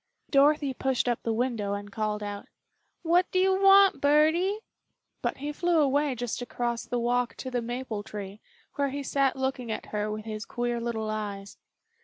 Dorothy pushed up the window and called out, "What do you want, birdie?" but he flew away just across the walk to the maple tree, where he sat looking at her with his queer little eyes.